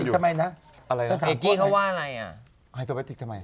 ทำไม